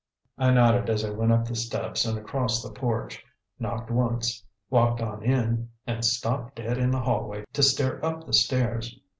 I nodded as I went up the steps and across the porch; knocked once. Walked on in and stopped dead in the hallway to stare up the stairs.